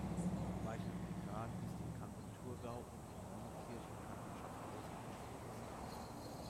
Weichelt-Picard ist im Kanton Thurgau und in Neunkirch im Kanton Schaffhausen aufgewachsen.